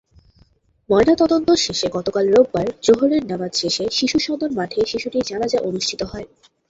ময়নাতদন্ত শেষে গতকাল রোববার জোহরের নামাজ শেষে শিশুসদন মাঠে শিশুটির জানাজা অনুষ্ঠিত হয়।